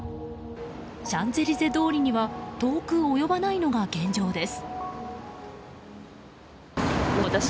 シャンゼリゼ通りには遠く及ばないのが現状です。